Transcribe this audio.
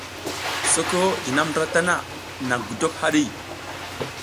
Soko jinam ndra tana naƞ gudok haɗi.